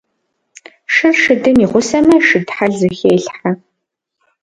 Шыр шыдым игъусэмэ, шыд хьэл зыхелъхьэ.